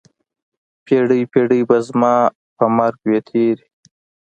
پیړۍ، پیړۍ به زما په مرګ وي تېرې